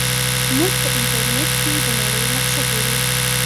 موږ په انټرنیټ کې د نړۍ نقشه ګورو.